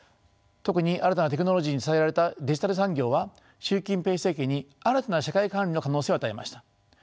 特に新たなテクノロジーに支えられたデジタル産業は習近平政権に新たな社会管理の可能性を与えました。